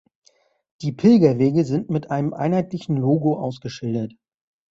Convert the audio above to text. Die Pilgerwege sind mit einem einheitlichen Logo ausgeschildert.